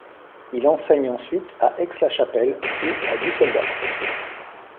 Il enseigne ensuite à Aix-la-Chapelle puis à Düsseldorf.